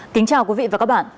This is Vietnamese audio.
kính chào quý vị và các bạn